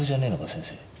先生。